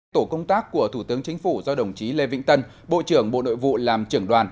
tổ công tác của thủ tướng chính phủ do đồng chí lê vĩnh tân bộ trưởng bộ nội vụ làm trưởng đoàn